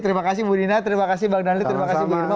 terima kasih bu dina terima kasih bang daniel terima kasih bu irma